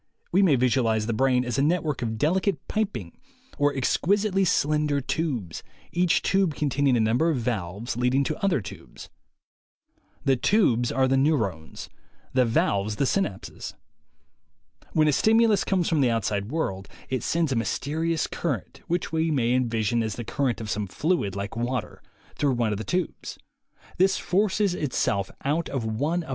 We may visualize the brain as a network of delicate piping or exquisitely slender tubes, each tube con taining a number of valves leading to other tubes. The tubes are the neurones ; the valves the synapses. When a stimulus comes from the outside world, it sends a mysterious current, which we may envisage as the current of some fluid, like water, through one of the tubes; this forces itself out of one of the 71.